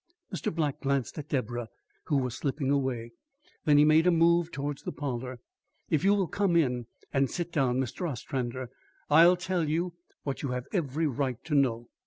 Mr. Black glanced at Deborah, who was slipping away. Then he made a move towards the parlour. "If you will come in and sit down, Mr. Ostrander, I'll tell you what you have every right to know."